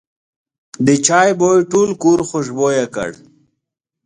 د چای بوی ټول کور خوشبویه کړ.